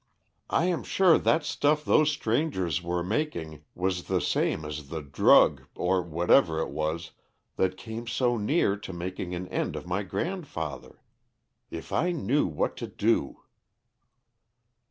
"I am sure that stuff those strangers were making was the same as the drug or whatever it was that came so near to making an end of my grandfather. If I knew what to do!"